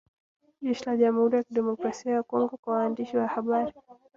jeshi la jamhuri ya kidemokrasia ya Kongo kwa waandishi wa habari